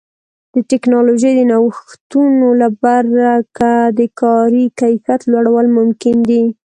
د ټکنالوژۍ د نوښتونو له برکه د کاري کیفیت لوړول ممکن دي.